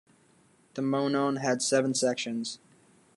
The Monon had seven sections.